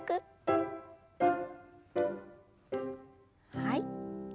はい。